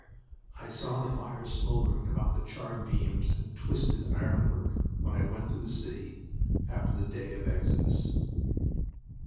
I saw the fires smoldering about charred beams and twisted ironwork when I went through the city after the day of exodus.